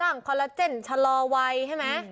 คอลลาเจนชะลอวัยใช่ไหม